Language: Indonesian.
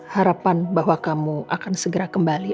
harapan bahwa kamu akan segera kembali